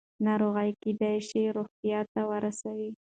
ناروغي کېدای شي روغتون ته ورسوي.